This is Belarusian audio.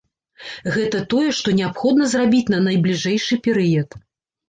Гэта тое, што неабходна зрабіць на найбліжэйшы перыяд.